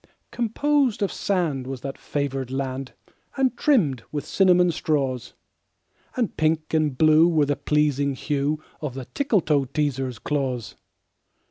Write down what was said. Composed of sand was that favored land, And trimmed with cinnamon straws; And pink and blue was the pleasing hue Of the Tickletoeteaser's claws.